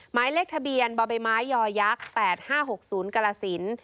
หมายเลขทะเบียนบมยย๘๕๖๐กรสินต์